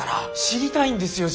知りたいんですよ